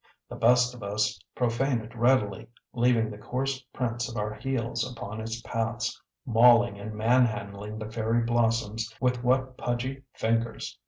The best of us profane it readily, leaving the coarse prints of our heels upon its paths, mauling and man handling the fairy blossoms with what pudgy fingers!